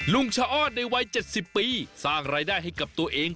ชะอ้อนในวัย๗๐ปีสร้างรายได้ให้กับตัวเอง